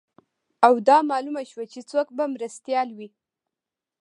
او دا معلومه شوه چې څوک به مرستیال وي